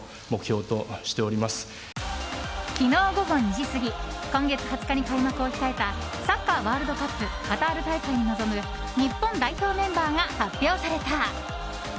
昨日午後２時過ぎ今月２０日に開幕を控えたサッカーワールドカップカタール大会に臨む日本代表メンバーが発表された。